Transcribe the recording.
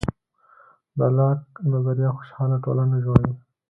د لاک نظریه خوشحاله ټولنه جوړوي.